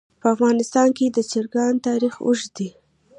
په افغانستان کې د چرګان تاریخ اوږد دی.